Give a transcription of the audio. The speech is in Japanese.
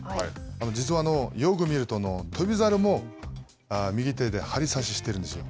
実はよく見ると、翔猿も、右手で張り差ししているんですよ。